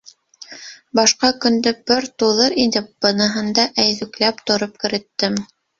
Башҡа көндө пыр туҙыр инем, быныһында әйҙүкләп тороп кереттем.